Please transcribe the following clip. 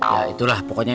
ya itulah pokoknya